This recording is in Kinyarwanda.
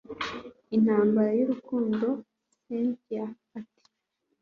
intambara yurukundo cyntia ati